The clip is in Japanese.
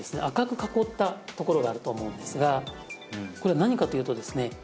赤く囲ったところがあると思うんですがこれ何かというとですね